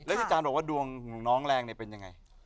แล้วที่จานบอกว่าดวงของน้องแรงเนี่ยเป็นยังไง